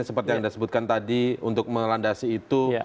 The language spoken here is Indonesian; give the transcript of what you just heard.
seperti yang anda sebutkan tadi untuk melandasi itu